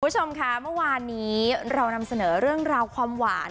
คุณผู้ชมค่ะเมื่อวานนี้เรานำเสนอเรื่องราวความหวาน